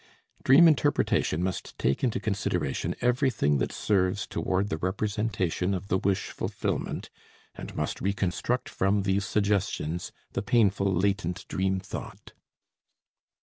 Dream interpretation must take into consideration everything that serves toward the representation of the wish fulfillment and must reconstruct from these suggestions the painful latent dream thought.